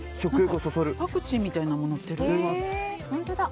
パクチーみたいなのものってる。